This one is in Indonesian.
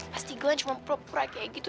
pasti glenn cuma mpropura kayak gitu